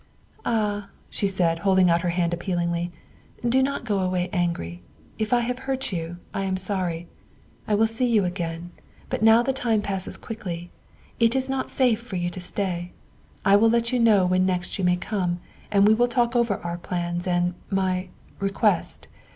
, "Ah," she said, holding out her hand appealingly, 1 ' do not go away angry. If I have hurt you, I am sorry. I will see you again, but now the time passes quickly. It is not safe for you to stay. I will let you know when next you may come and we will talk over our plans and my request.